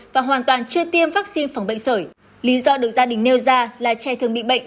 và hoàn toàn chưa tiêm vaccine phòng bệnh sởi lý do được gia đình nêu ra là trẻ thường bị bệnh